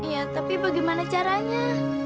ya tapi bagaimana caranya